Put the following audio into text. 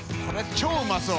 超うまそう。